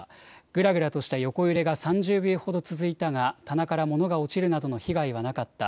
ぐらぐらとした横揺れが３０秒ほど続いたが棚から物が落ちるなどの被害はなかった。